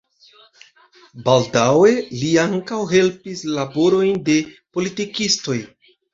Baldaŭe li ankaŭ helpis laborojn de politikistoj.